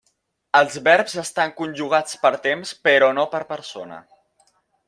Els verbs estan conjugats per temps però no per persona.